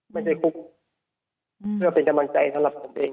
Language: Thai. ไม่ใช่คุกเพื่อเป็นกำลังใจของผมเอง